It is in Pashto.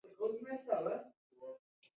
خو رڼا د زړورتیا انځور دی.